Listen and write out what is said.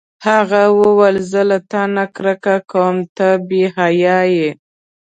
هغه وویل: زه له تا نه کرکه کوم، ته بې حیا یې.